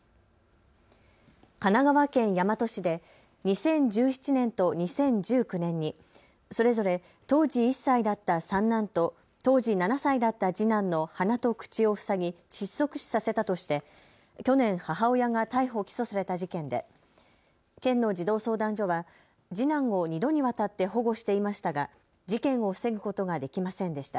神奈川県大和市で２０１７年と２０１９年にそれぞれ当時１歳だった三男と当時７歳だった次男の鼻と口を塞ぎ窒息死させたとして去年、母親が逮捕・起訴された事件で県の児童相談所は次男を２度にわたって保護していましたが事件を防ぐことができませんでした。